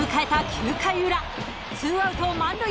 ９回裏ツーアウト満塁！